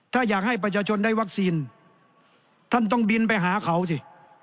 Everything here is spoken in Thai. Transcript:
ถ้าอยากให้ประชาชนได้วัคซีนท่านต้องบินไปหาเขาสิ